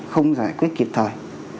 không giải quyết kịp thời